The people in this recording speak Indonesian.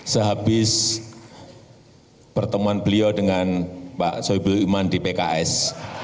sehabis pertemuan beliau dengan pak soebul iman di pks